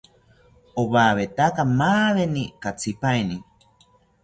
Owawetaka maaweni katsipaini